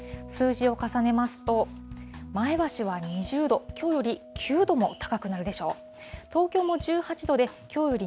数字を重ねますと、前橋は２０度、きょうより９度も高くなるでしょう。